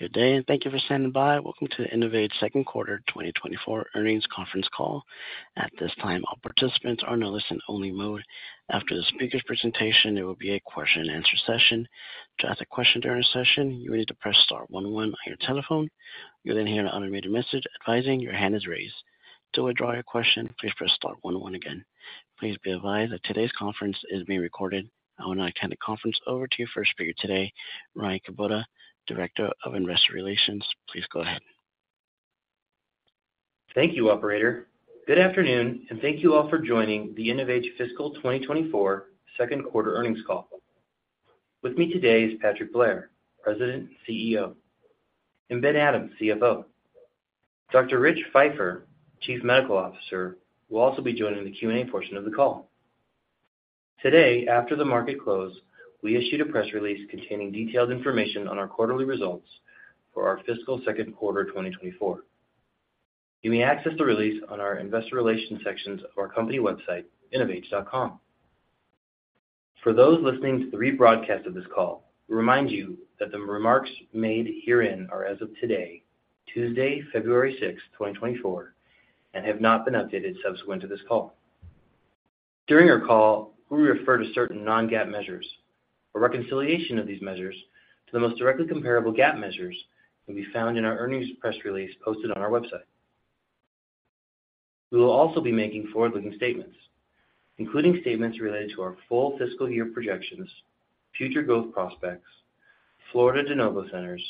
Good day, and thank you for standing by. Welcome to the InnovAge second quarter 2024 earnings conference call. At this time, all participants are in a listen-only mode. After the speaker's presentation, there will be a question-and-answer session. To ask a question during the session, you will need to press star one one on your telephone. You'll then hear an automated message advising your hand is raised. To withdraw your question, please press star one one again. Please be advised that today's conference is being recorded. I want to hand the conference over to our first speaker today, Ryan Kubota, Director of Investor Relations. Please go ahead. Thank you, operator. Good afternoon, and thank you all for joining the InnovAge fiscal 2024 second quarter earnings call. With me today is Patrick Blair, President and CEO, and Ben Adams, CFO. Dr. Richard Feifer, Chief Medical Officer, will also be joining the Q&A portion of the call. Today, after the market closed, we issued a press release containing detailed information on our quarterly results for our fiscal second quarter, 2024. You may access the release on our investor relations sections of our company website, innovage.com. For those listening to the rebroadcast of this call, we remind you that the remarks made herein are as of today, Tuesday, February 6, 2024, and have not been updated subsequent to this call. During our call, we refer to certain non-GAAP measures. A reconciliation of these measures to the most directly comparable GAAP measures can be found in our earnings press release posted on our website. We will also be making forward-looking statements, including statements related to our full fiscal year projections, future growth prospects, Florida de novo centers,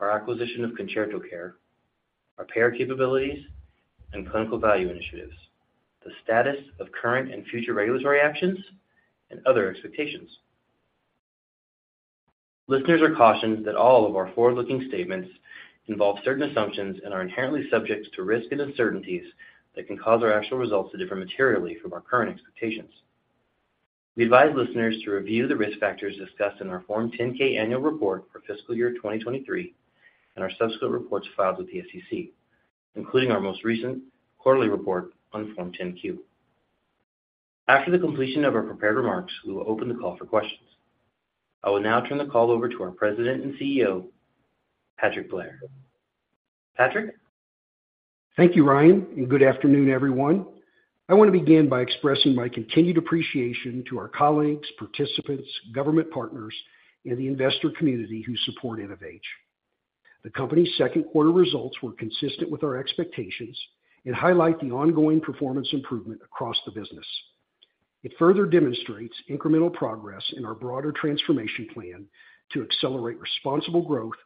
our acquisition of ConcertoCare, our payer capabilities and Clinical Value Initiatives, the status of current and future regulatory actions, and other expectations. Listeners are cautioned that all of our forward-looking statements involve certain assumptions and are inherently subject to risks and uncertainties that can cause our actual results to differ materially from our current expectations. We advise listeners to review the risk factors discussed in our Form 10-K Annual Report for fiscal year 2023 and our subsequent reports filed with the SEC, including our most recent quarterly report on Form 10-Q. After the completion of our prepared remarks, we will open the call for questions. I will now turn the call over to our President and CEO, Patrick Blair. Patrick? Thank you, Ryan, and good afternoon, everyone. I want to begin by expressing my continued appreciation to our colleagues, participants, government partners, and the investor community who support InnovAge. The company's second quarter results were consistent with our expectations and highlight the ongoing performance improvement across the business. It further demonstrates incremental progress in our broader transformation plan to accelerate responsible growth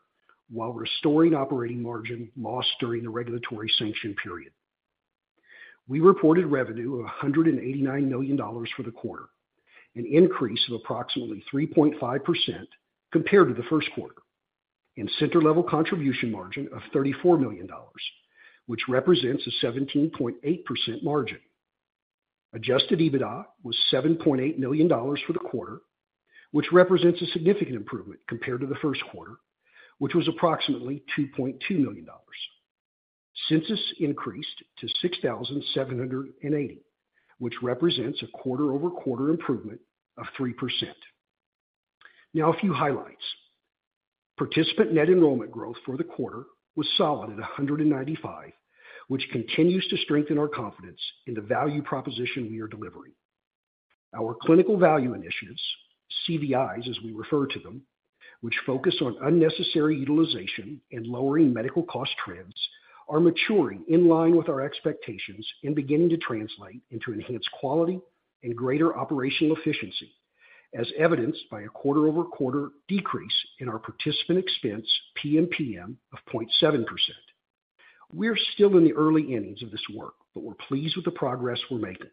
while restoring operating margin lost during the regulatory sanction period. We reported revenue of $189 million for the quarter, an increase of approximately 3.5% compared to the first quarter, and center-level contribution margin of $34 million, which represents a 17.8% margin. Adjusted EBITDA was $7.8 million for the quarter, which represents a significant improvement compared to the first quarter, which was approximately $2.2 million. Census increased to 6,780, which represents a quarter-over-quarter improvement of 3%. Now, a few highlights. Participant net enrollment growth for the quarter was solid at 195, which continues to strengthen our confidence in the value proposition we are delivering. Our clinical value initiatives, CVIs, as we refer to them, which focus on unnecessary utilization and lowering medical cost trends, are maturing in line with our expectations and beginning to translate into enhanced quality and greater operational efficiency, as evidenced by a quarter-over-quarter decrease in our participant expense, PMPM, of 0.7%. We are still in the early innings of this work, but we're pleased with the progress we're making.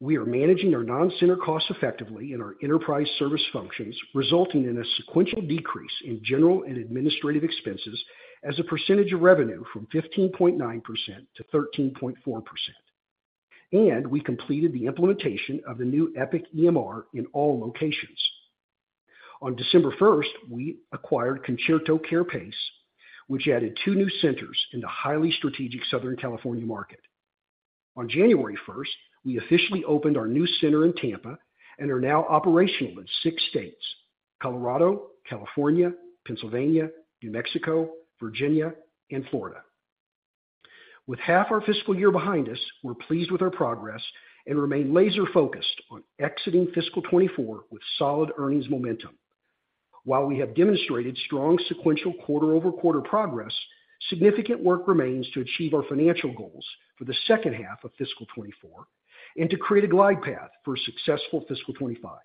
We are managing our non-center costs effectively in our enterprise service functions, resulting in a sequential decrease in general and administrative expenses as a percentage of revenue from 15.9%-13.4%. We completed the implementation of the new Epic EMR in all locations. On December 1st, we acquired ConcertoCare PACE, which added two new centers in the highly strategic Southern California market. On January 1st, we officially opened our new center in Tampa and are now operational in six states: Colorado, California, Pennsylvania, New Mexico, Virginia, and Florida. With half our fiscal year behind us, we're pleased with our progress and remain laser focused on exiting fiscal 2024 with solid earnings momentum. While we have demonstrated strong sequential quarter-over-quarter progress, significant work remains to achieve our financial goals for the second half of fiscal 2024 and to create a glide path for successful fiscal 2025.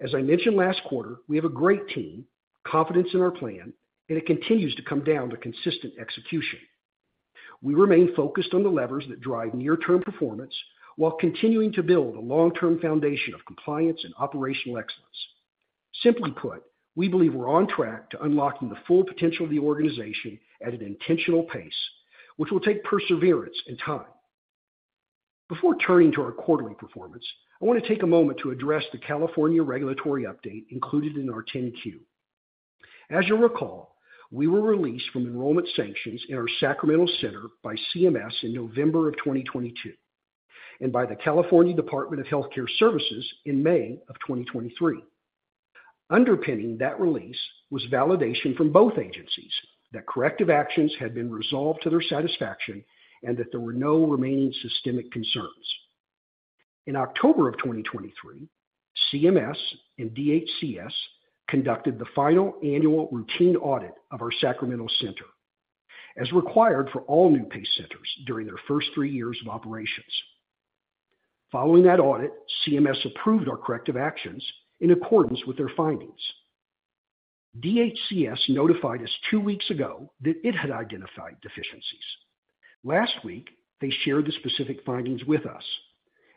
As I mentioned last quarter, we have a great team, confidence in our plan, and it continues to come down to consistent execution. We remain focused on the levers that drive near-term performance while continuing to build a long-term foundation of compliance and operational excellence. Simply put, we believe we're on track to unlocking the full potential of the organization at an intentional pace, which will take perseverance and time. Before turning to our quarterly performance, I want to take a moment to address the California regulatory update included in our 10-Q. As you'll recall, we were released from enrollment sanctions in our Sacramento center by CMS in November of 2022. By the California Department of Health Care Services in May 2023. Underpinning that release was validation from both agencies that corrective actions had been resolved to their satisfaction and that there were no remaining systemic concerns. In October 2023, CMS and DHCS conducted the final annual routine audit of our Sacramento center, as required for all new PACE centers during their first three years of operations. Following that audit, CMS approved our corrective actions in accordance with their findings. DHCS notified us two weeks ago that it had identified deficiencies. Last week, they shared the specific findings with us.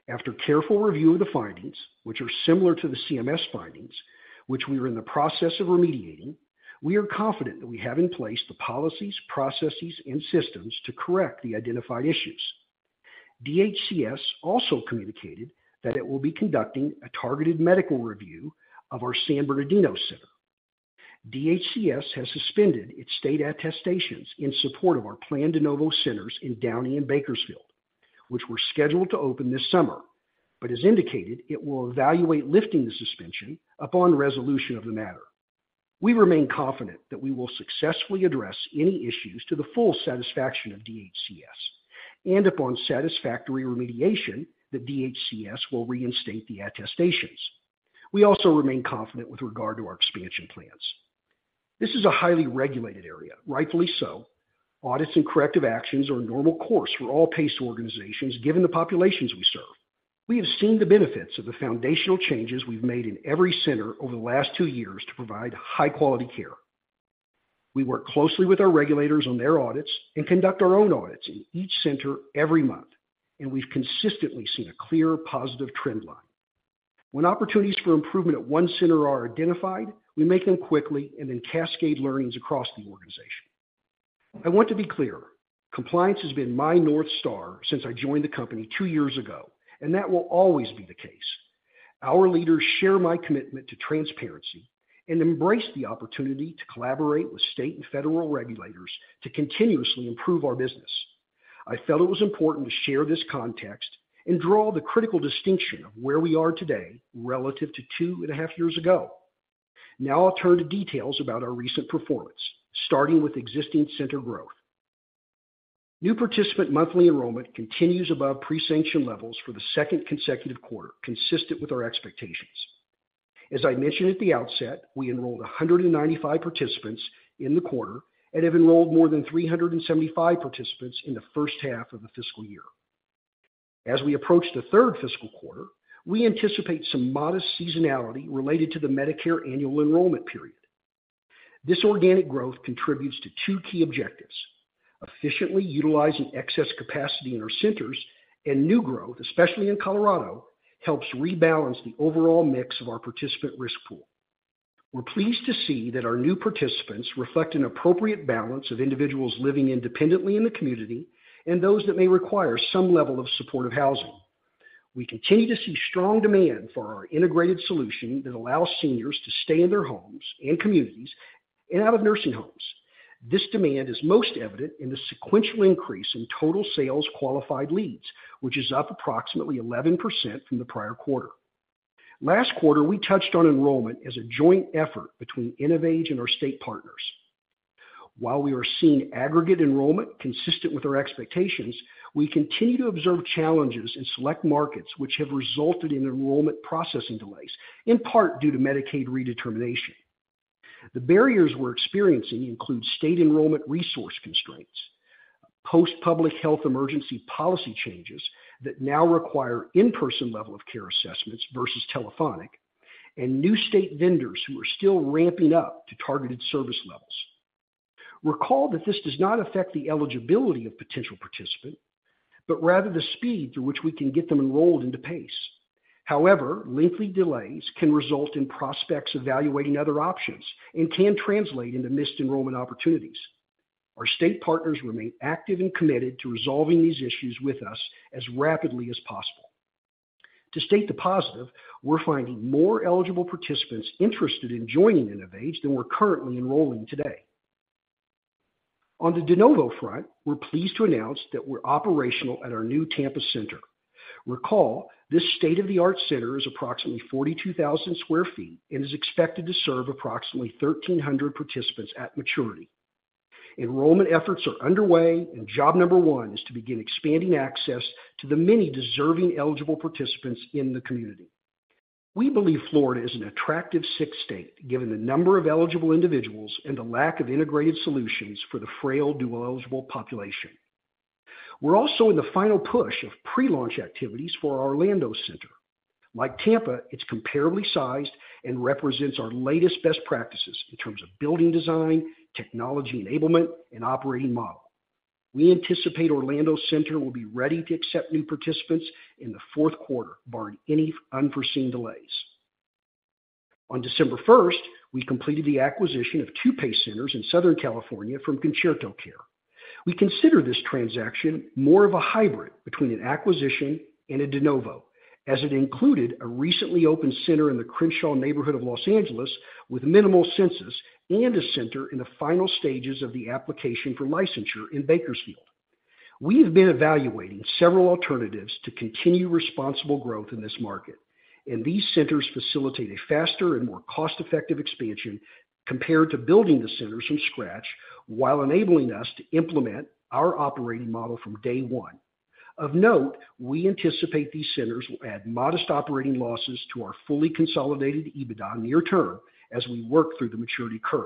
After careful review of the findings, which are similar to the CMS findings, which we are in the process of remediating, we are confident that we have in place the policies, processes, and systems to correct the identified issues. DHCS also communicated that it will be conducting a targeted medical review of our San Bernardino center. DHCS has suspended its state attestations in support of our planned de novo centers in Downey and Bakersfield, which were scheduled to open this summer, but as indicated, it will evaluate lifting the suspension upon resolution of the matter. We remain confident that we will successfully address any issues to the full satisfaction of DHCS, and upon satisfactory remediation, that DHCS will reinstate the attestations. We also remain confident with regard to our expansion plans. This is a highly regulated area, rightfully so. Audits and Corrective Actions are a normal course for all PACE organizations, given the populations we serve. We have seen the benefits of the foundational changes we've made in every center over the last two years to provide high-quality care. We work closely with our regulators on their audits and conduct our own audits in each center every month, and we've consistently seen a clear positive trend line. When opportunities for improvement at one center are identified, we make them quickly and then cascade learnings across the organization. I want to be clear, compliance has been my North Star since I joined the company two years ago, and that will always be the case. Our leaders share my commitment to transparency and embrace the opportunity to collaborate with state and federal regulators to continuously improve our business. I felt it was important to share this context and draw the critical distinction of where we are today relative to two and a half years ago. Now I'll turn to details about our recent performance, starting with existing center growth. New participant monthly enrollment continues above pre-sanction levels for the second consecutive quarter, consistent with our expectations. As I mentioned at the outset, we enrolled 195 participants in the quarter and have enrolled more 375 participants in the first half of the fiscal year. As we approach the third fiscal quarter, we anticipate some modest seasonality related to the Medicare Annual Enrollment period. This organic growth contributes to two key objectives: efficiently utilizing excess capacity in our centers, and new growth, especially in Colorado, helps rebalance the overall mix of our participant risk pool. We're pleased to see that our new participants reflect an appropriate balance of individuals living independently in the community and those that may require some level of supportive housing. We continue to see strong demand for our integrated solution that allows seniors to stay in their homes and communities and out of nursing homes. This demand is most evident in the sequential increase in total sales qualified leads, which is up approximately 11% from the prior quarter. Last quarter, we touched on enrollment as a joint effort between InnovAge and our state partners. While we are seeing aggregate enrollment consistent with our expectations, we continue to observe challenges in select markets which have resulted in enrollment processing delays, in part due to Medicaid Redetermination. The barriers we're experiencing include state enrollment resource constraints, post-public health emergency policy changes that now require in-person level of care assessments versus telephonic, and new state vendors who are still ramping up to targeted service levels. Recall that this does not affect the eligibility of potential participant, but rather the speed through which we can get them enrolled into PACE. However, lengthy delays can result in prospects evaluating other options and can translate into missed enrollment opportunities. Our state partners remain active and committed to resolving these issues with us as rapidly as possible. To state the positive, we're finding more eligible participants interested in joining InnovAge than we're currently enrolling today. On the de novo front, we're pleased to announce that we're operational at our New Tampa Center. Recall, this state-of-the-art center is approximately 42,000 sq ft and is expected to serve approximately 1,300 participants at maturity. Enrollment efforts are underway, and job number one is to begin expanding access to the many deserving eligible participants in the community. We believe Florida is an attractive sixth state, given the number of eligible individuals and the lack of integrated solutions for the frail, dual-eligible population. We're also in the final push of pre-launch activities for our Orlando Center. Like Tampa, it's comparably sized and represents our latest best practices in terms of building design, technology enablement, and operating model. We anticipate Orlando Center will be ready to accept new participants in the fourth quarter, barring any unforeseen. On December 1st, we completed the acquisition of two PACE centers in Southern California from ConcertoCare. We consider this transaction more of a hybrid between an acquisition and a de novo, as it included a recently opened center in the Crenshaw neighborhood of Los Angeles with minimal census and a center in the final stages of the application for licensure in Bakersfield. We have been evaluating several alternatives to continue responsible growth in this market, and these centers facilitate a faster and more cost-effective expansion compared to building the centers from scratch, while enabling us to implement our operating model from day one. Of note, we anticipate these centers will add modest operating losses to our fully consolidated EBITDA near term as we work through the maturity curve.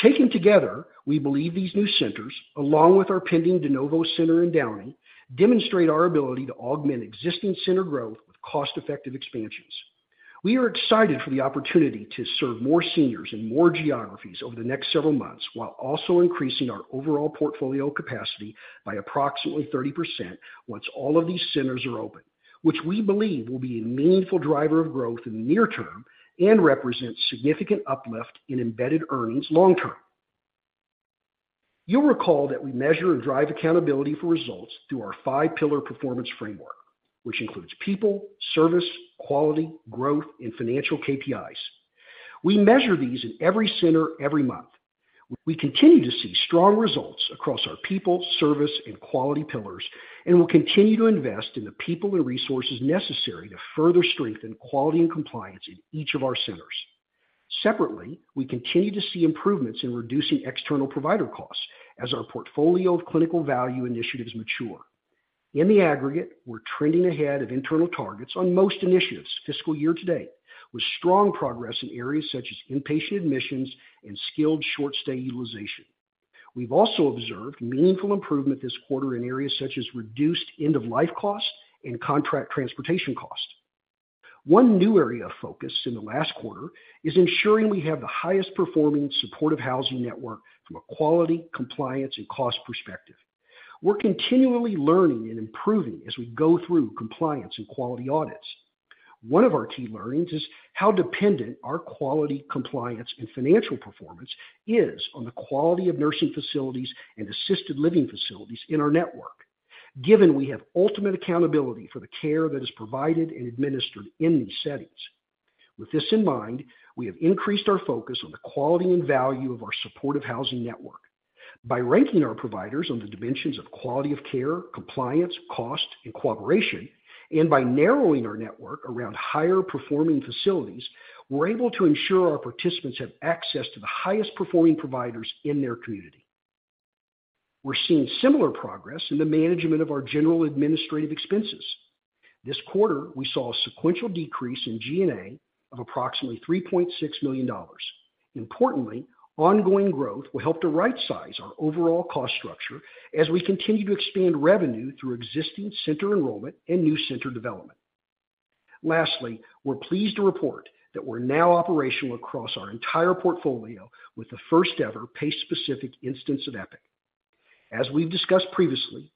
Taken together, we believe these new centers, along with our pending de novo center in Downey, demonstrate our ability to augment existing center growth with cost-effective expansions. We are excited for the opportunity to serve more seniors in more geographies over the next several months, while also increasing our overall portfolio capacity by approximately 30% once all of these centers are open, which we believe will be a meaningful driver of growth in the near-term and represent significant uplift in embedded earnings long-term. You'll recall that we measure and drive accountability for results through our five-pillar performance framework, which includes people, service, quality, growth, and financial KPIs. We measure these in every center, every month. We continue to see strong results across our people, service, and quality pillars, and will continue to invest in the people and resources necessary to further strengthen quality and compliance in each of our centers. Separately, we continue to see improvements in reducing external provider costs as our portfolio of clinical value initiatives mature. In the aggregate, we're trending ahead of internal targets on most initiatives fiscal year to date, with strong progress in areas such as inpatient admissions and Skilled Short Stay utilization. We've also observed meaningful improvement this quarter in areas such as reduced end-of-life costs and contract transportation costs. One new area of focus in the last quarter is ensuring we have the highest performing supportive housing network from a quality, compliance, and cost perspective. We're continually learning and improving as we go through compliance and quality audits. One of our key learnings is how dependent our quality, compliance, and financial performance is on the quality of nursing facilities and assisted living facilities in our network, given we have ultimate accountability for the care that is provided and administered in these settings. With this in mind, we have increased our focus on the quality and value of our supportive housing network. By ranking our providers on the dimensions of quality of care, compliance, cost, and cooperation, and by narrowing our network around higher performing facilities, we're able to ensure our participants have access to the highest performing providers in their community. We're seeing similar progress in the management of our general administrative expenses. This quarter, we saw a sequential decrease in G&A of approximately $3.6 million. Importantly, ongoing growth will help to rightsize our overall cost structure as we continue to expand revenue through existing center enrollment and new center development. Lastly, we're pleased to report that we're now operational across our entire portfolio with the first-ever PACE-specific instance of Epic. As we've discussed previously,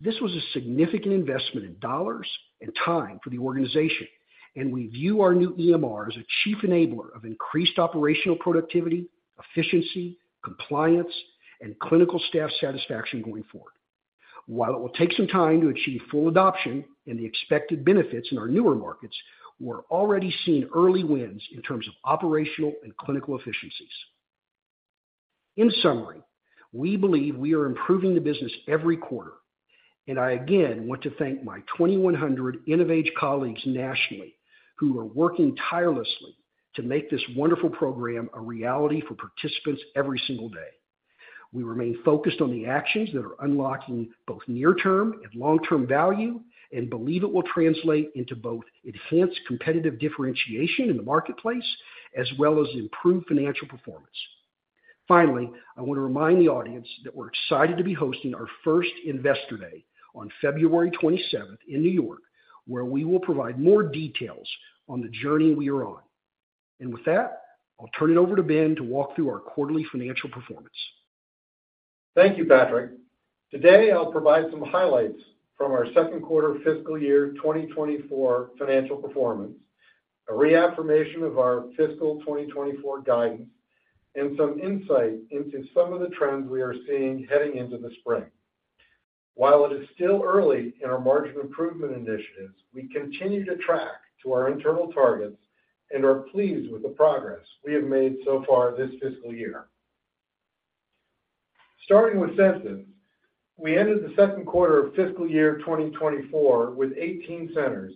this was a significant investment in dollars and time for the organization, and we view our new EMR as a chief enabler of increased operational productivity, efficiency, compliance, and clinical staff satisfaction going forward. While it will take some time to achieve full adoption and the expected benefits in our newer markets, we're already seeing early wins in terms of operational and clinical efficiencies. In summary, we believe we are improving the business every quarter, and I again want to thank my 2,100 InnovAge colleagues nationally who are working tirelessly to make this wonderful program a reality for participants every single day. We remain focused on the actions that are unlocking both near-term and long-term value, and believe it will translate into both enhanced competitive differentiation in the marketplace, as well as improved financial performance. Finally, I want to remind the audience that we're excited to be hosting our first Investor Day on February 27 in New York, where we will provide more details on the journey we are on. With that, I'll turn it over to Ben to walk through our quarterly financial performance. Thank you, Patrick. Today, I'll provide some highlights from our second quarter fiscal year 2024 financial performance, a reaffirmation of our fiscal 2024 guidance, and some insight into some of the trends we are seeing heading into the spring. While it is still early in our margin improvement initiatives, we continue to track to our internal targets and are pleased with the progress we have made so far this fiscal year. Starting with census, we ended the second quarter of fiscal year 2024 with 18 centers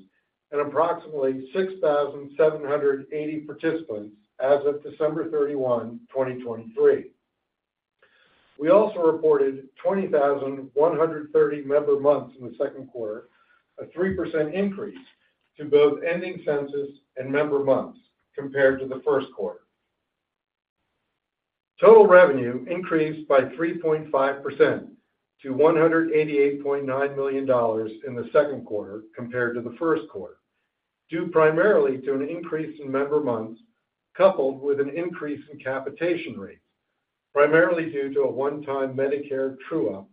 and approximately 6,780 participants as of December 31, 2023. We also reported 20,130 member months in the second quarter, a 3% increase to both ending census and member months compared to the first quarter. Total revenue increased by 3.5% to $188.9 million in the second quarter compared to the first quarter, due primarily to an increase in member months, coupled with an increase in capitation rates, primarily due to a one-time Medicare True-Up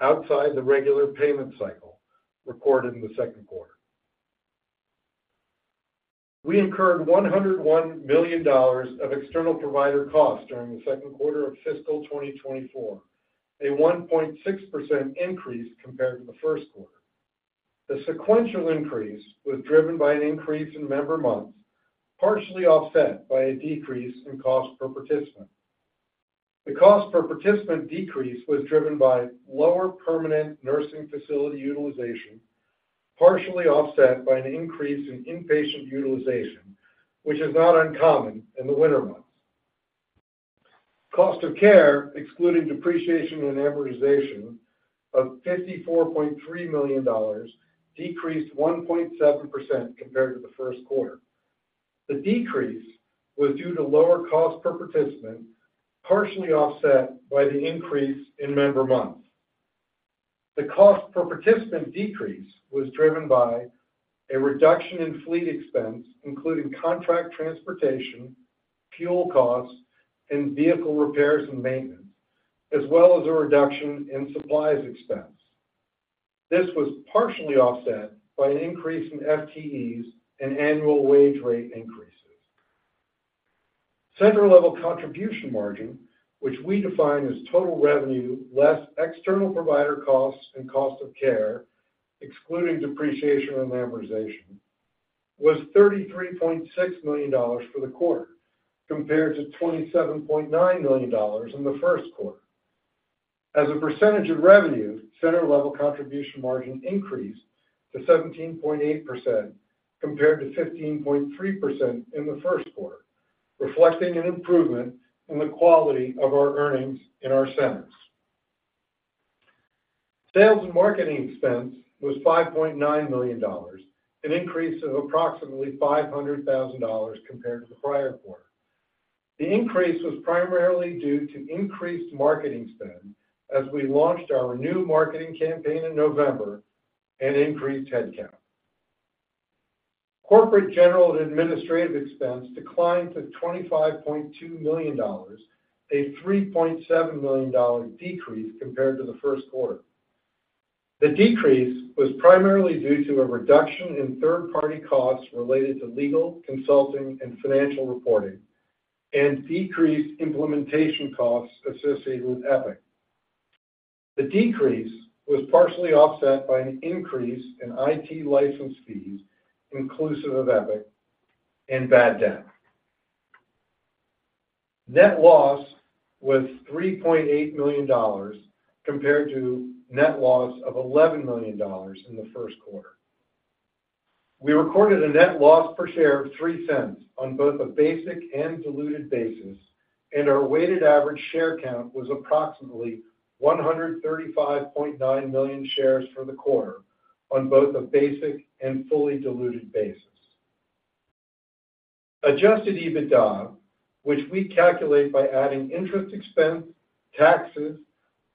outside the regular payment cycle recorded in the second quarter. We incurred $101 million of external provider costs during the second quarter of fiscal 2024, a 1.6% increase compared to the first quarter. The sequential increase was driven by an increase in member months, partially offset by a decrease in cost per participant. The cost per participant decrease was driven by lower permanent nursing facility utilization, partially offset by an increase in inpatient utilization, which is not uncommon in the winter months. Cost of care, excluding depreciation and amortization of $54.3 million decreased 1.7% compared to the first quarter. The decrease was due to lower cost per participant, partially offset by the increase in member months. The cost per participant decrease was driven by a reduction in fleet expense, including contract transportation, fuel costs, and vehicle repairs and maintenance, as well as a reduction in supplies expense. This was partially offset by an increase in FTEs and annual wage rate increases. Center-Level Contribution Margin, which we define as total revenue, less external provider costs and cost of care, excluding depreciation and amortization, was $33.6 million for the quarter, compared to $27.9 million in the first quarter. As a percentage of revenue, Center-Level Contribution Margin increased to 17.8%, compared to 15.3% in the first quarter, reflecting an improvement in the quality of our earnings in our centers. Sales and marketing expense was $5.9 million, an increase of approximately $500,000 compared to the prior quarter. The increase was primarily due to increased marketing spend as we launched our new marketing campaign in November and increased headcount. Corporate, general, and administrative expense declined to $25.2 million, a $3.7 million decrease compared to the first quarter. The decrease was primarily due to a reduction in third-party costs related to legal, consulting, and financial reporting, and decreased implementation costs associated with Epic. The decrease was partially offset by an increase in IT license fees, inclusive of Epic and bad debt. Net loss was $3.8 million, compared to net loss of $11 million in the first quarter. We recorded a net loss per share of $0.03 on both a basic and diluted basis, and our weighted average share count was approximately $135.9 million shares for the quarter on both a basic and fully diluted basis. Adjusted EBITDA, which we calculate by adding interest expense, taxes,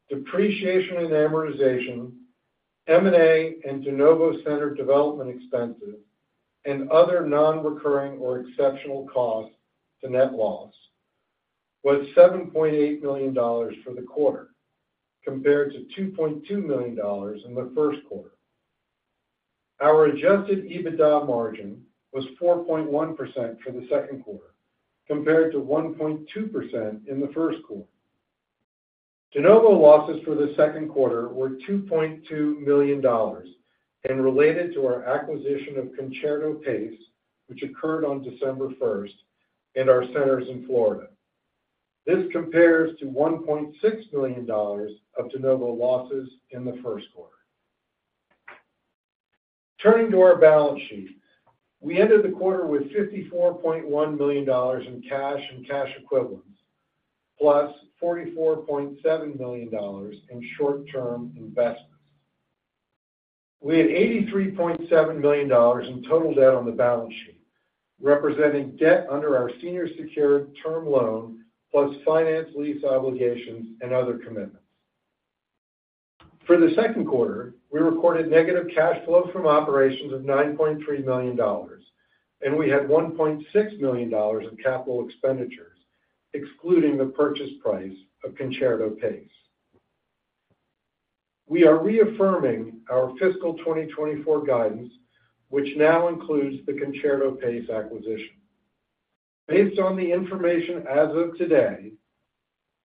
depreciation and amortization, M&A, and de novo center development expenses, and other non-recurring or exceptional costs to net loss, was $7.8 million for the quarter, compared to $2.2 million in the first quarter. Our adjusted EBITDA margin was 4.1% for the second quarter, compared to 1.2% in the first quarter. De novo losses for the second quarter were $2.2 million and related to our acquisition of ConcertoCare, which occurred on December 1st, and our centers in Florida. This compares to $1.6 million of de novo losses in the first quarter. Turning to our balance sheet, we ended the quarter with $54.1 million in cash and cash equivalents, plus $44.7 million in short-term investments. We had $83.7 million in total debt on the balance sheet, representing debt under our senior secured term loan, plus finance lease obligations and other commitments. For the second quarter, we recorded negative cash flow from operations of $9.3 million, and we had $1.6 million of capital expenditures, excluding the purchase price of ConcertoCare. We are reaffirming our fiscal 2024 guidance, which now includes the ConcertoCare PACE acquisition. Based on the information as of today,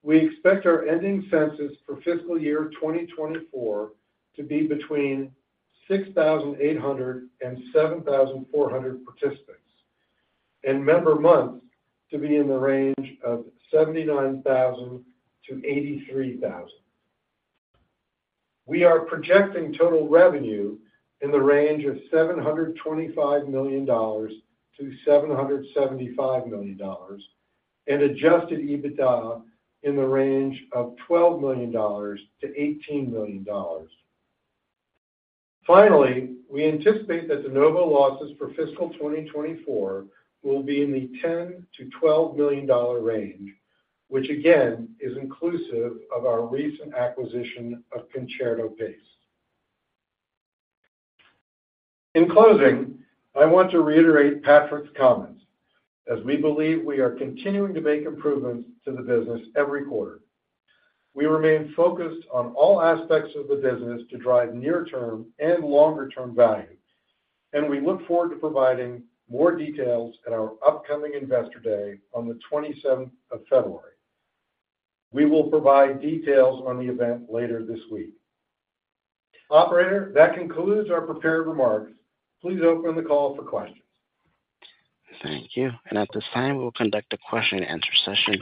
we expect our ending census for fiscal year 2024 to be between 6,800 and 7,400 participants, and member months to be in the range of 79,000-83,000. We are projecting total revenue in the range of $725 million-$775 million, and Adjusted EBITDA in the range of $12 million-$18 million. Finally, we anticipate that de novo losses for fiscal 2024 will be in the $10 million-$12 million range, which again, is inclusive of our recent acquisition of ConcertoCare PACE. In closing, I want to reiterate Patrick's comments, as we believe we are continuing to make improvements to the business every quarter. We remain focused on all aspects of the business to drive near-term and longer-term value, and we look forward to providing more details at our upcoming Investor Day on the 27th of February. We will provide details on the event later this week. Operator, that concludes our prepared remarks. Please open the call for questions. Thank you. And at this time, we will conduct a question-and-answer session.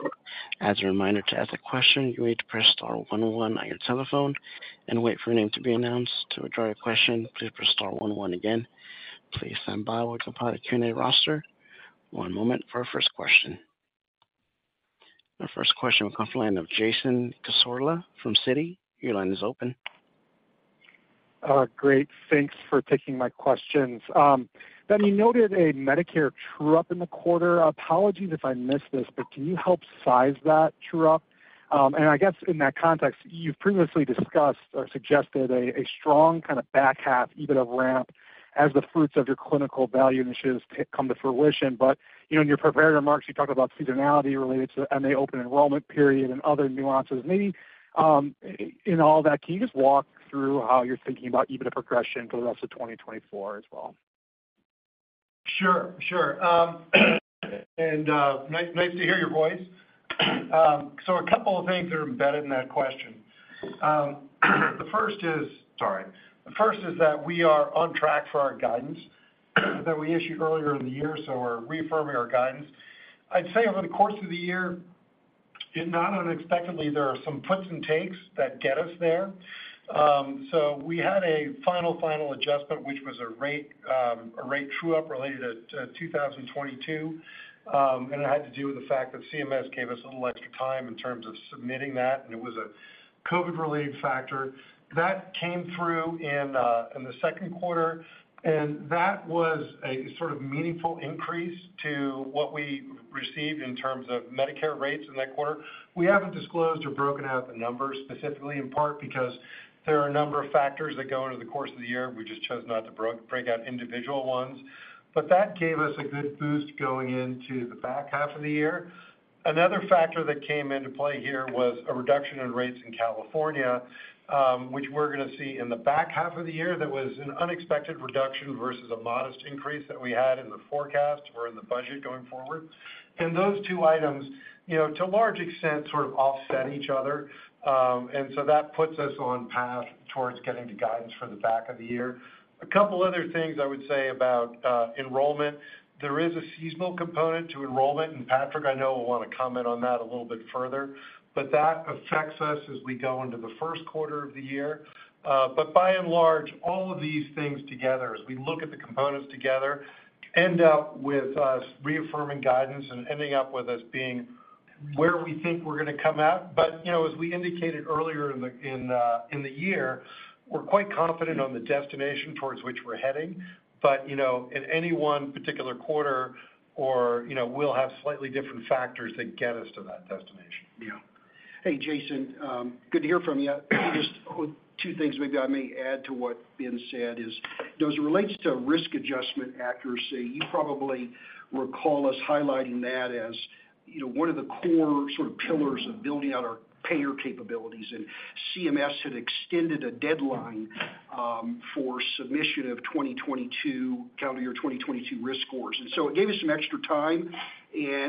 As a reminder, to ask a question, you need to press star one zero one on your telephone and wait for your name to be announced. To withdraw your question, please press star one one again. Please stand by while we compile a Q&A roster. One moment for our first question. Our first question will come from the line of Jason Cassorla from Citi. Your line is open. Great. Thanks for taking my questions. Ben, you noted a Medicare True-Up in the quarter. Apologies if I missed this, but can you help size that True-Up? And I guess in that context, you've previously discussed or suggested a strong kind of back half, EBITDA ramp as the fruits of your clinical value initiatives come to fruition. But, you know, in your prepared remarks, you talked about seasonality related to MA open enrollment period and other nuances. Maybe, in all that, can you just walk through how you're thinking about EBITDA progression for the rest of 2024 as well? Sure. And nice to hear your voice. So a couple of things that are embedded in that question. The first is that we are on track for our guidance that we issued earlier in the year, so we're reaffirming our guidance. I'd say over the course of the year, not unexpectedly, there are some puts and takes that get us there. So we had a final, final adjustment, which was a rate, a rate True-Up related to 2022. And it had to do with the fact that CMS gave us a little extra time in terms of submitting that, and it was a COVID-related factor. That came through in the second quarter, and that was a sort of meaningful increase to what we received in terms of Medicare rates in that quarter. We haven't disclosed or broken out the numbers specifically, in part because there are a number of factors that go into the course of the year. We just chose not to break out individual ones. But that gave us a good boost going into the back half of the year. Another factor that came into play here was a reduction in rates in California, which we're going to see in the back half of the year. That was an unexpected reduction versus a modest increase that we had in the forecast or in the budget going forward. And those two items, you know, to a large extent, sort of offset each other. And so that puts us on path towards getting to guidance for the back of the year. A couple other things I would say about enrollment. There is a seasonal component to enrollment, and Patrick, I know, will want to comment on that a little bit further, but that affects us as we go into the first quarter of the year. But by and large, all of these things together, as we look at the components together, end up with us reaffirming guidance and ending up with us being where we think we're going to come out. But, you know, as we indicated earlier in the year, we're quite confident on the destination towards which we're heading. But, you know, in any one particular quarter or, you know, we'll have slightly different factors that get us to that destination. Yeah. Hey, Jason, good to hear from you. Just two things maybe I may add to what Ben said is, you know, as it relates to risk adjustment accuracy, you probably recall us highlighting that as, you know, one of the core sort of pillars of building out our payer capabilities. And CMS had extended a deadline, for submission of 2022, calendar year 2022 risk scores. And so it gave us some extra time, and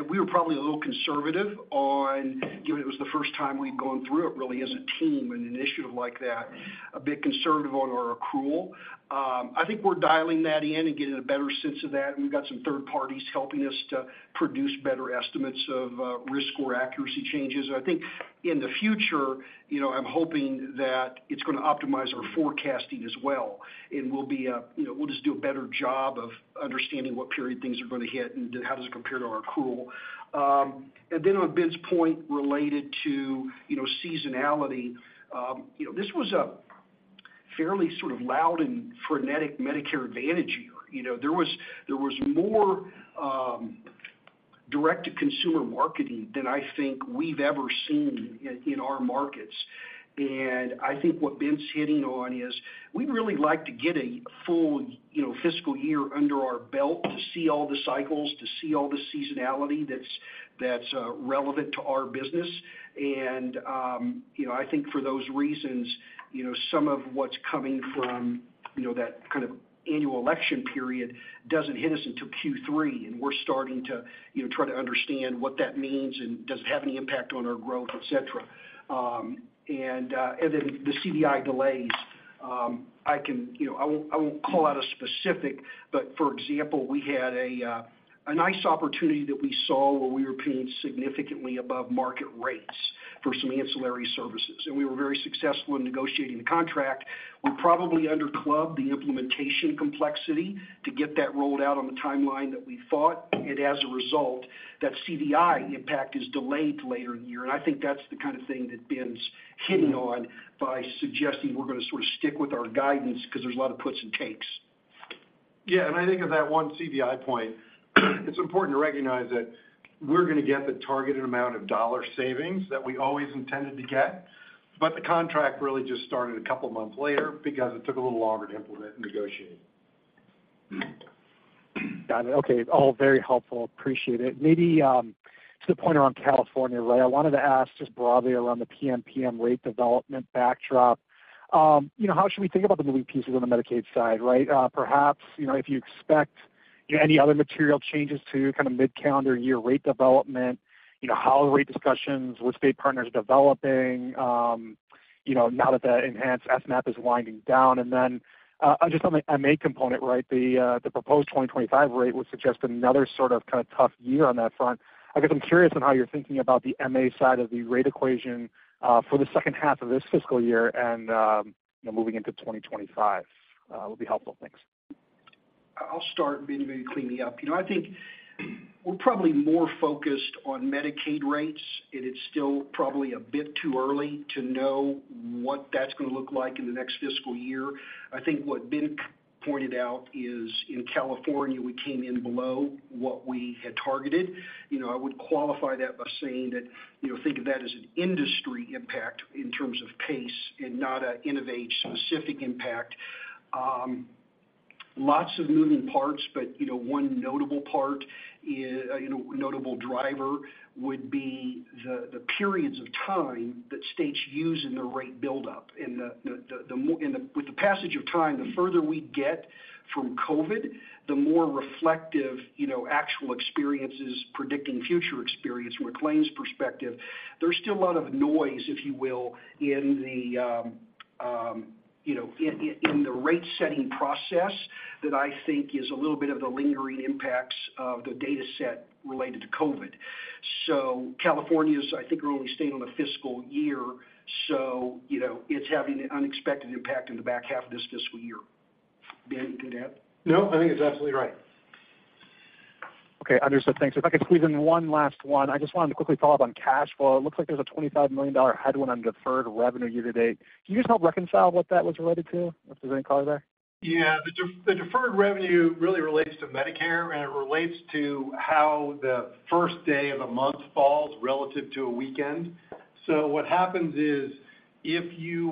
we were probably a little conservative on, given it was the first time we'd gone through it, really, as a team in an initiative like that, a bit conservative on our accrual. I think we're dialing that in and getting a better sense of that. We've got some third parties helping us to produce better estimates of, risk score accuracy changes. I think in the future, you know, I'm hoping that it's going to optimize our forecasting as well, and we'll be, you know, we'll just do a better job of understanding what period things are going to hit and how does it compare to our accrual. And then on Ben's point related to, you know, seasonality, you know, this was a fairly sort of loud and frenetic Medicare Advantage year. You know, there was, there was more, direct-to-consumer marketing than I think we've ever seen in, in our markets. And I think what Ben's hitting on is we'd really like to get a full, you know, fiscal year under our belt to see all the cycles, to see all the seasonality that's, that's, relevant to our business. And, you know, I think for those reasons, you know, some of what's coming from, you know, that kind of Annual Election Period doesn't hit us until Q3, and we're starting to, you know, try to understand what that means and does it have any impact on our growth, etc.. And then the CVI delays, I can, you know, I won't, I won't call out a specific, but for example, we had a nice opportunity that we saw where we were paying significantly above market rates for some ancillary services, and we were very successful in negotiating the contract. We probably under-clubbed the implementation complexity to get that rolled out on the timeline that we thought, and as a result, that CVI impact is delayed to later in the year. I think that's the kind of thing that Ben's hitting on by suggesting we're going to sort of stick with our guidance because there's a lot of puts and takes. Yeah, and I think of that one CVI point, it's important to recognize that we're gonna get the targeted amount of dollar savings that we always intended to get, but the contract really just started a couple of months later because it took a little longer to implement and negotiate. Got it. Okay, all very helpful. Appreciate it. Maybe, just a pointer on California, [rate]. I wanted to ask just broadly around the PMPM rate development backdrop, you know, how should we think about the moving pieces on the Medicaid side, right? Perhaps, you know, if you expect any other material changes to kind of mid-calendar year rate development, you know, how are rate discussions with state partners developing, you know, now that the Enhanced FMAP is winding down? And then, just on the MA Component, right, the proposed 2025 rate would suggest another sort of kind of tough year on that front. I guess I'm curious on how you're thinking about the MA side of the rate equation, for the second half of this fiscal year and, moving into 2025, will be helpful. Thanks. I'll start, Ben, maybe clean me up. You know, I think we're probably more focused on Medicaid rates, and it's still probably a bit too early to know what that's going to look like in the next fiscal year. I think what Ben pointed out is, in California, we came in below what we had targeted. You know, I would qualify that by saying that, you know, think of that as an industry impact in terms of PACE and not an InnovAge-specific impact. Lots of moving parts, but, you know, one notable part is, you know, notable driver would be the more, and with the passage of time, the further we get from COVID, the more reflective, you know, actual experience is predicting future experience from a claims perspective. There's still a lot of noise, if you will, in the, you know, in the rate-setting process that I think is a little bit of the lingering impacts of the data set related to COVID. So California's, I think, are only staying on the fiscal year, so, you know, it's having an unexpected impact in the back half of this fiscal year. Ben, anything to add? No, I think it's absolutely right. Okay, understood. Thanks. If I could squeeze in one last one, I just wanted to quickly follow up on cash flow. It looks like there's a $25 million headwind on deferred revenue year to date. Can you just help reconcile what that was related to, if there's any color there? Yeah, the deferred revenue really relates to Medicare, and it relates to how the first day of a month falls relative to a weekend. So what happens is, if you,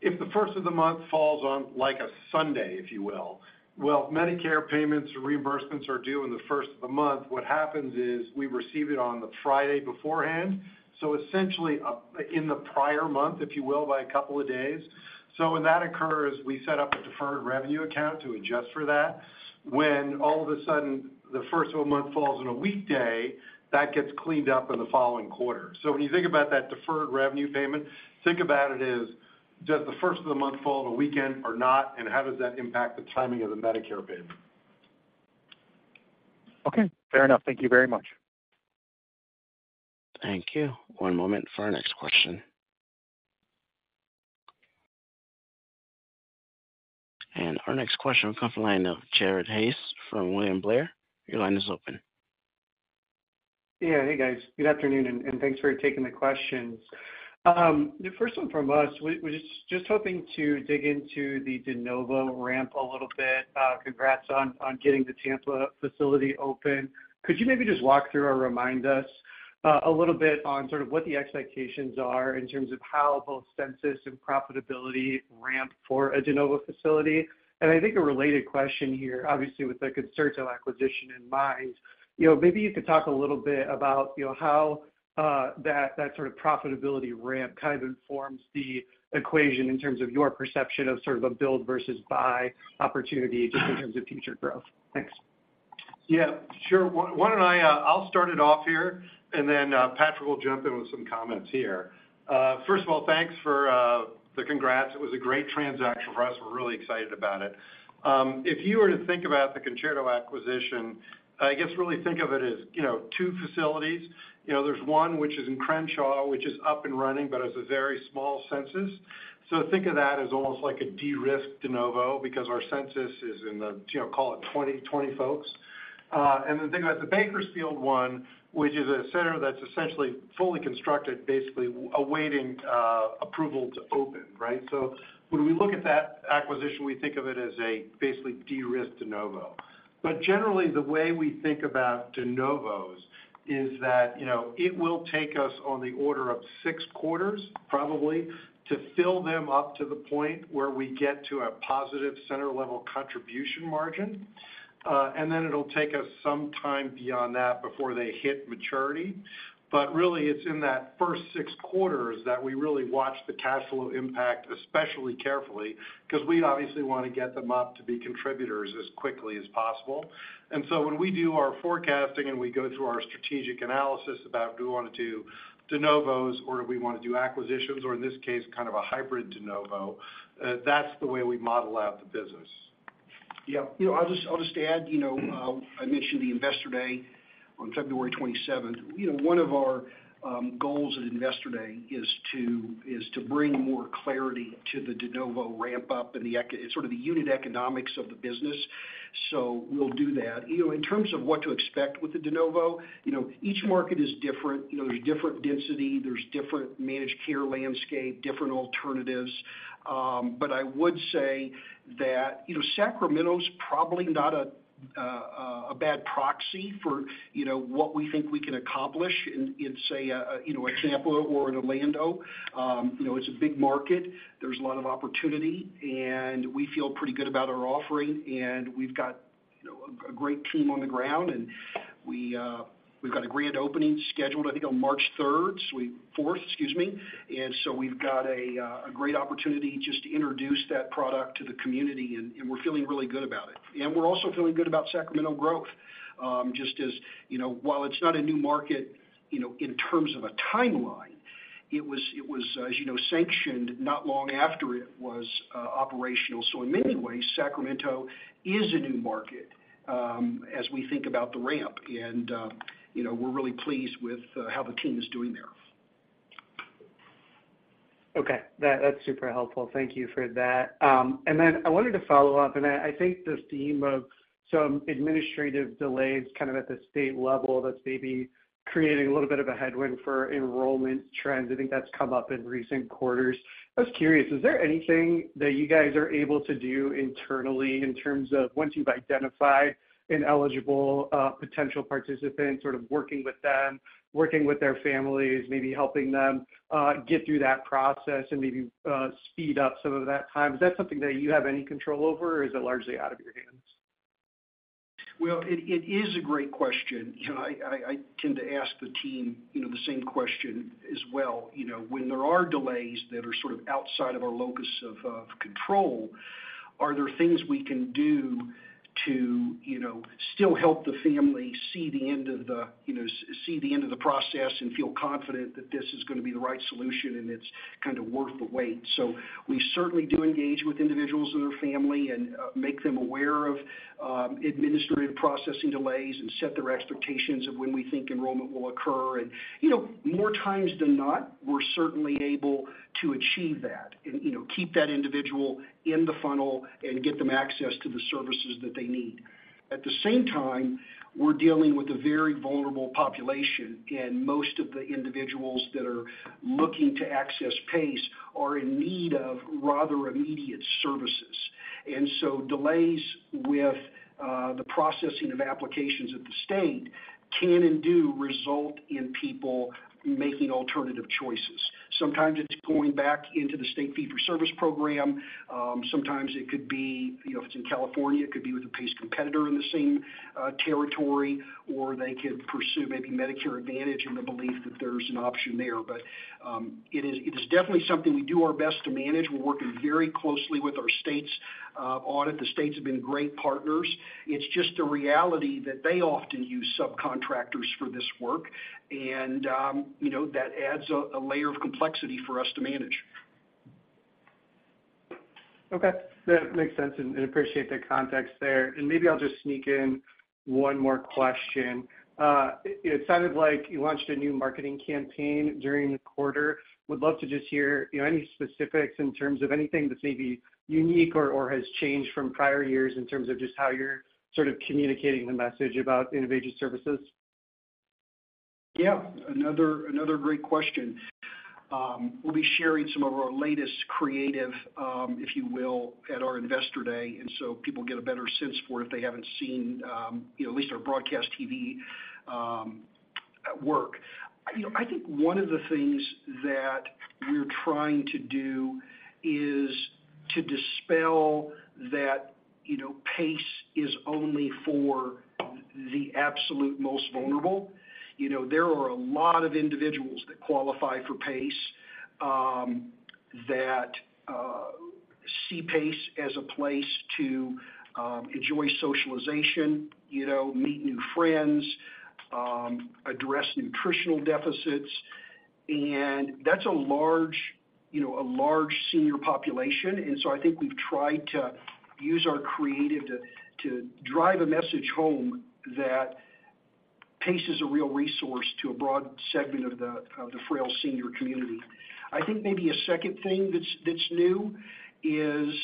if the first of the month falls on, like, a Sunday, if you will, well, Medicare payments and reimbursements are due on the first of the month. What happens is we receive it on the Friday beforehand, so essentially, in the prior month, if you will, by a couple of days. So when that occurs, we set up a deferred revenue account to adjust for that. When all of a sudden, the first of a month falls on a weekday, that gets cleaned up in the following quarter. So when you think about that deferred revenue payment, think about it as, does the first of the month fall on a weekend or not, and how does that impact the timing of the Medicare payment? Okay, fair enough. Thank you very much. Thank you. One moment for our next question. Our next question will come from the line of Jared Haase from William Blair. Your line is open. Yeah. Hey, guys. Good afternoon, and thanks for taking the questions. The first one from us, we're just hoping to dig into the de novo ramp a little bit. Congrats on getting the Tampa Facility open. Could you maybe just walk through or remind us a little bit on sort of what the expectations are in terms of how both census and profitability ramp for a de novo facility? And I think a related question here, obviously, with the Concerto acquisition in mind, you know, maybe you could talk a little bit about, you know, how that sort of profitability ramp kind of informs the equation in terms of your perception of sort of a build versus buy opportunity just in terms of future growth? Thanks. Yeah, sure. Why, why don't I, I'll start it off here, and then, Patrick will jump in with some comments here. First of all, thanks for the congrats. It was a great transaction for us. We're really excited about it. If you were to think about the Concerto acquisition, I guess really think of it as, you know, two facilities. You know, there's one, which is in Crenshaw, which is up and running, but has a very small census. So think of that as almost like a de-risked de novo, because our census is in the, you know, call it 20, 20 folks. And then think about the Bakersfield one, which is a center that's essentially fully constructed, basically awaiting approval to open, right? So when we look at that acquisition, we think of it as a basically de-risked de novo. But generally, the way we think about de novos is that, you know, it will take us on the order of six quarters, probably, to fill them up to the point where we get to a positive center-level contribution margin. And then it'll take us some time beyond that before they hit maturity. But really, it's in that first six quarters that we really watch the cash flow impact, especially carefully, because we obviously want to get them up to be contributors as quickly as possible. And so when we do our forecasting and we go through our strategic analysis about do we want to do de novos or do we want to do acquisitions, or in this case, kind of a hybrid de novo, that's the way we model out the business. Yeah, you know, I'll just add, you know, I mentioned the Investor Day on February 27th. You know, one of our goals at Investor Day is to bring more clarity to the de novo ramp-up and the sort of the unit economics of the business. So we'll do that. You know, in terms of what to expect with the de novo, you know, each market is different. You know, there's different density, there's different managed care landscape, different alternatives. But I would say that, you know, Sacramento's probably not a bad proxy for, you know, what we think we can accomplish in, say, you know, example or in Orlando. You know, it's a big market. There's a lot of opportunity, and we feel pretty good about our offering, and we've got, you know, a great team on the ground, and we, we've got a grand opening scheduled, I think, on March 3rd, 4th, excuse me. And so we've got a great opportunity just to introduce that product to the community, and, and we're feeling really good about it. And we're also feeling good about Sacramento growth. Just as, you know, while it's not a new market, you know, in terms of a timeline, it was, it was, as you know, sanctioned not long after it was operational. So in many ways, Sacramento is a new market, as we think about the ramp and, you know, we're really pleased with how the team is doing there. Okay, that's super helpful. Thank you for that. And then I wanted to follow up, and I think the theme of some administrative delays, kind of at the state level, that's maybe creating a little bit of a headwind for enrollment trends. I think that's come up in recent quarters. I was curious, is there anything that you guys are able to do internally in terms of once you've identified an eligible potential participant, sort of working with them, working with their families, maybe helping them get through that process and maybe speed up some of that time? Is that something that you have any control over, or is it largely out of your hands? Well, it is a great question. You know, I tend to ask the team, you know, the same question as well. You know, when there are delays that are sort of outside of our locus of control, are there things we can do to, you know, still help the family see the end of the, you know, see the end of the process and feel confident that this is gonna be the right solution, and it's kind of worth the wait. So we certainly do engage with individuals and their family and make them aware of administrative processing delays and set their expectations of when we think enrollment will occur. And, you know, more times than not, we're certainly able to achieve that and, you know, keep that individual in the funnel and get them access to the services that they need. At the same time, we're dealing with a very vulnerable population, and most of the individuals that are looking to access PACE are in need of rather immediate services. And so delays with the processing of applications at the state can and do result in people making alternative choices. Sometimes it's going back into the state Fee-for-Service program. Sometimes it could be, you know, if it's in California, it could be with a PACE competitor in the same territory, or they could pursue maybe Medicare Advantage in the belief that there's an option there. But it is definitely something we do our best to manage. We're working very closely with our state's audit. The states have been great partners. It's just a reality that they often use subcontractors for this work, and, you know, that adds a layer of complexity for us to manage. Okay, that makes sense, and appreciate the context there. And maybe I'll just sneak in one more question. It sounded like you launched a new marketing campaign during the quarter. Would love to just hear, you know, any specifics in terms of anything that's maybe unique or has changed from prior years in terms of just how you're sort of communicating the message about innovative services. Yeah, another great question. We'll be sharing some of our latest creative, if you will, at our Investor Day, and so people get a better sense for it if they haven't seen, you know, at least our broadcast TV work. You know, I think one of the things that we're trying to do is to dispel that, you know, PACE is only for the absolute most vulnerable. You know, there are a lot of individuals that qualify for PACE that see PACE as a place to enjoy socialization, you know, meet new friends, address nutritional deficits, and that's a large, you know, a large senior population. And so I think we've tried to use our creative to drive a message home that PACE is a real resource to a broad segment of the frail senior community. I think maybe a second thing that's new is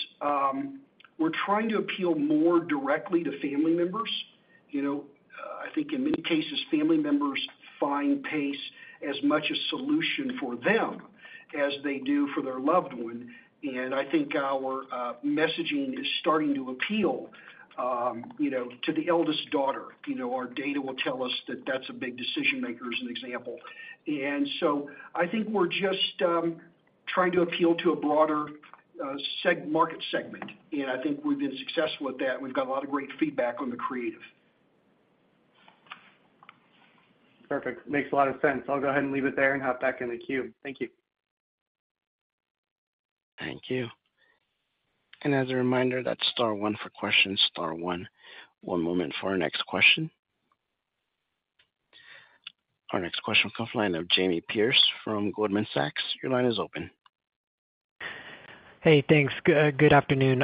we're trying to appeal more directly to family members. You know, I think in many cases, family members find PACE as much a solution for them as they do for their loved one, and I think our messaging is starting to appeal, you know, to the eldest daughter. You know, our data will tell us that that's a big decision maker, as an example. And so I think we're just trying to appeal to a broader market segment, and I think we've been successful at that. We've got a lot of great feedback on the creative. Perfect. Makes a lot of sense. I'll go ahead and leave it there and hop back in the queue. Thank you. Thank you. And as a reminder, that's star one for questions, star one. One moment for our next question. Our next question comes from the line of Jamie Perse from Goldman Sachs. Your line is open. Hey, thanks. Good afternoon.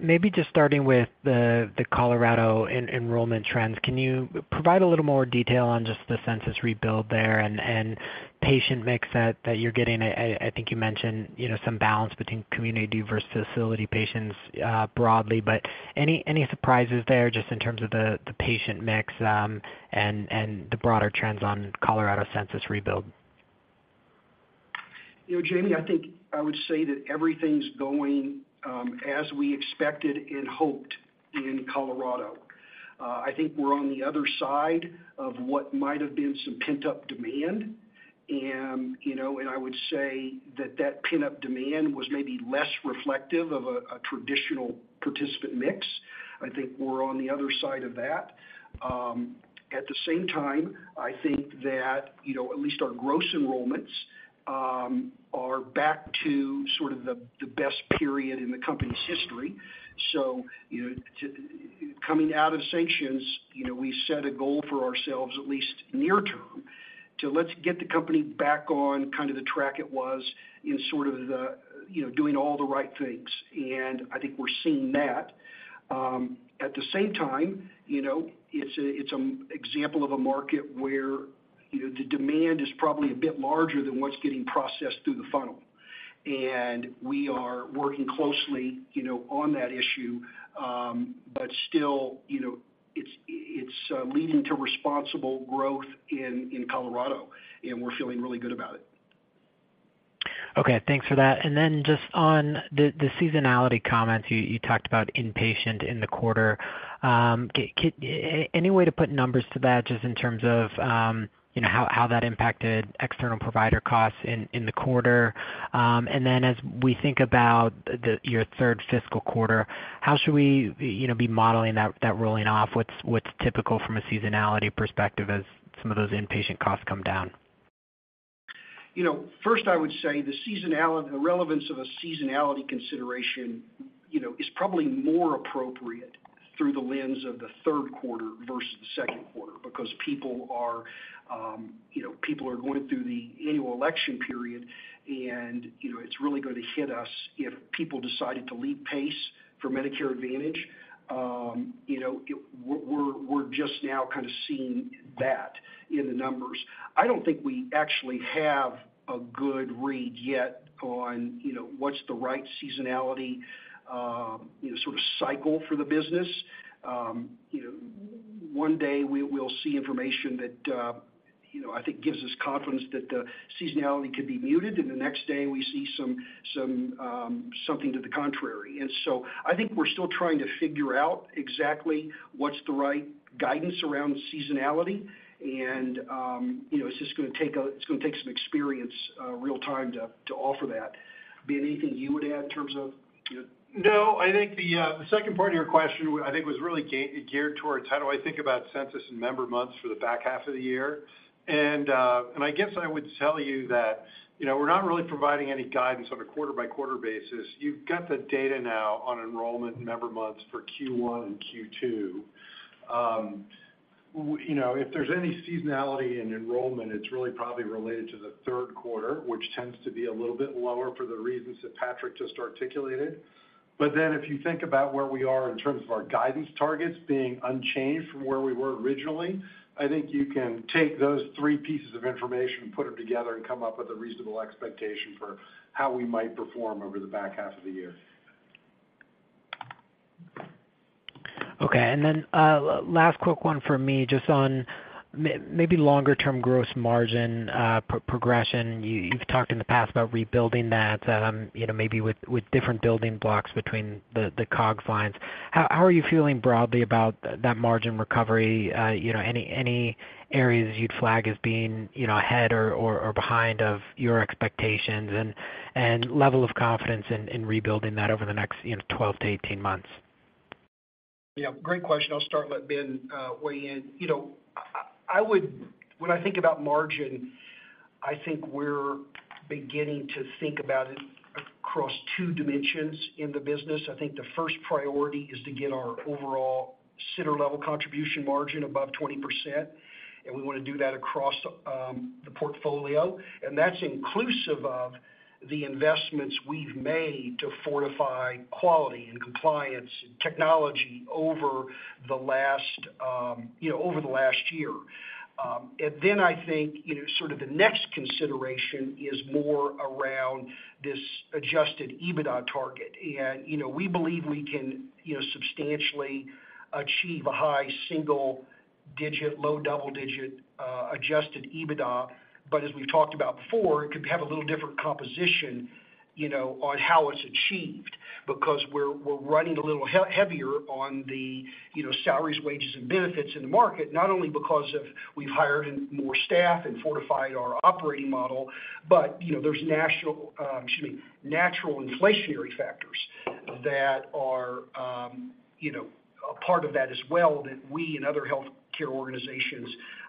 Maybe just starting with the Colorado enrollment trends, can you provide a little more detail on just the census rebuild there and patient mix that you're getting? I think you mentioned, you know, some balance between community versus facility patients, broadly, but any surprises there just in terms of the patient mix, and the broader trends on Colorado census rebuild? You know, Jamie, I think I would say that everything's going as we expected and hoped in Colorado. I think we're on the other side of what might have been some pent-up demand. And, you know, and I would say that that pent-up demand was maybe less reflective of a traditional participant mix. I think we're on the other side of that. At the same time, I think that, you know, at least our gross enrollments are back to sort of the best period in the company's history. So, you know, coming out of sanctions, you know, we set a goal for ourselves, at least near term, to let's get the company back on kind of the track it was in sort of the, you know, doing all the right things, and I think we're seeing that. At the same time, you know, it's an example of a market where, you know, the demand is probably a bit larger than what's getting processed through the funnel. And we are working closely, you know, on that issue, but still, you know, it's leading to responsible growth in Colorado, and we're feeling really good about it. Okay, thanks for that. And then just on the seasonality comments, you talked about inpatient in the quarter. Any way to put numbers to that, just in terms of, you know, how that impacted external provider costs in the quarter? And then as we think about your third fiscal quarter, how should we, you know, be modeling that rolling off? What's typical from a seasonality perspective as some of those inpatient costs come down? You know, first, I would say the seasonality, the relevance of a seasonality consideration, you know, is probably more appropriate through the lens of the third quarter versus the second quarter, because people are, you know, people are going through the annual election period, and, you know, it's really going to hit us if people decided to leave PACE for Medicare Advantage. You know, we're just now kind of seeing that in the numbers. I don't think we actually have a good read yet on, you know, what's the right seasonality, you know, sort of cycle for the business. You know, one day we'll see information that, you know, I think gives us confidence that the seasonality could be muted, and the next day we see some something to the contrary. So I think we're still trying to figure out exactly what's the right guidance around seasonality. You know, it's just gonna take some experience, real time to offer that. Ben, anything you would add in terms of, you know? No, I think the second part of your question, I think, was really geared towards how do I think about census and member months for the back half of the year. And I guess I would tell you that, you know, we're not really providing any guidance on a quarter-by-quarter basis. You've got the data now on enrollment and member months for Q1 and Q2. You know, if there's any seasonality in enrollment, it's really probably related to the third quarter, which tends to be a little bit lower for the reasons that Patrick just articulated. But then if you think about where we are in terms of our guidance targets being unchanged from where we were originally, I think you can take those three pieces of information and put them together and come up with a reasonable expectation for how we might perform over the back half of the year. Okay. And then, last quick one for me, just on maybe longer term gross margin, progression. You, you've talked in the past about rebuilding that, you know, maybe with, with different building blocks between the, the COG lines. How are you feeling broadly about that margin recovery? You know, any areas you'd flag as being, you know, ahead or behind of your expectations, and level of confidence in rebuilding that over the next, 12-18 months? Yeah, great question. I'll start and let Ben weigh in. You know, I would, when I think about margin, I think we're beginning to think about it across two dimensions in the business. I think the first priority is to get our overall center level contribution margin above 20%, and we wanna do that across the portfolio. And that's inclusive of the investments we've made to fortify quality and compliance and technology over the last, you know, over the last year. And then I think, you know, sort of the next consideration is more around this Adjusted EBITDA target. And, you know, we believe we can, you know, substantially achieve a high single digit, low double digit Adjusted EBITDA. But as we've talked about before, it could have a little different composition, you know, on how it's achieved, because we're running a little heavier on the, you know, salaries, wages, and benefits in the market, not only because of we've hired in more staff and fortified our operating model, but, you know, there's national, excuse me, natural inflationary factors that are, you know, a part of that as well, that we and other healthcare organizations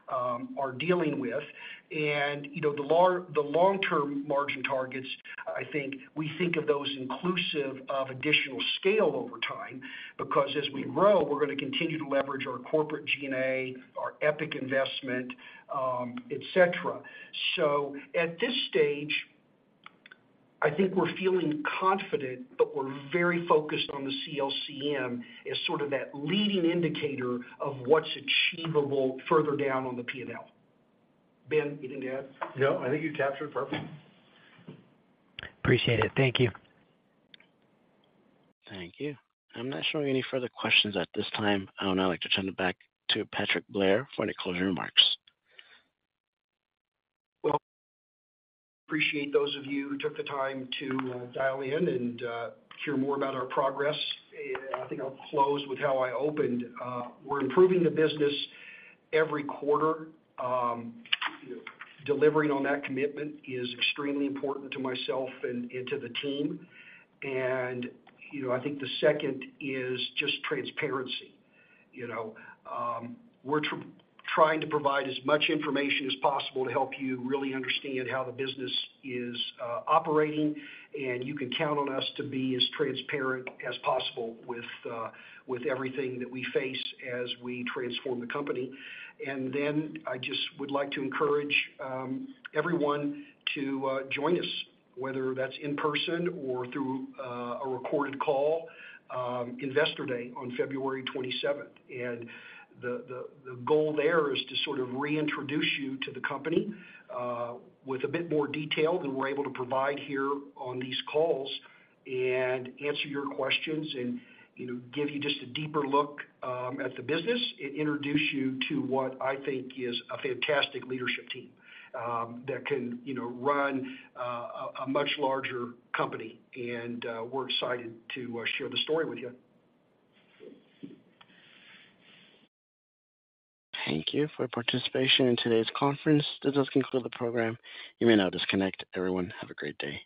are dealing with. And, you know, the long-term margin targets, I think we think of those inclusive of additional scale over time, because as we grow, we're gonna continue to leverage our corporate G&A, our Epic investment, etc.. So at this stage, I think we're feeling confident, but we're very focused on the CLCM as sort of that leading indicator of what's achievable further down on the P&L. Ben, anything to add? No, I think you captured it perfectly. Appreciate it. Thank you. Thank you. I'm not showing any further questions at this time. I would now like to turn it back to Patrick Blair for any closing remarks. Well, appreciate those of you who took the time to dial in and hear more about our progress. I think I'll close with how I opened. We're improving the business every quarter. You know, delivering on that commitment is extremely important to myself and to the team. You know, I think the second is just transparency. You know, we're trying to provide as much information as possible to help you really understand how the business is operating, and you can count on us to be as transparent as possible with everything that we face as we transform the company. Then I just would like to encourage everyone to join us, whether that's in person or through a recorded call, Investor Day on February 27th. The goal there is to sort of reintroduce you to the company with a bit more detail than we're able to provide here on these calls and answer your questions and, you know, give you just a deeper look at the business and introduce you to what I think is a fantastic leadership team that can, you know, run a much larger company. We're excited to share the story with you. Thank you for your participation in today's conference. This does conclude the program. You may now disconnect. Everyone, have a great day.